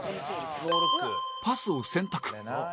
パスを選択